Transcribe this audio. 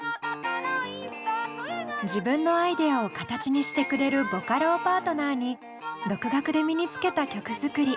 自分のアイデアを形にしてくれるボカロをパートナーに独学で身につけた曲作り。